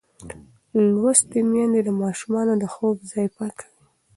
لوستې میندې د ماشومانو د خوب ځای پاکوي.